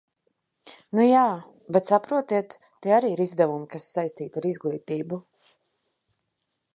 Nu jā, bet saprotiet, tie arī ir izdevumi, kas saistīti ar izglītību.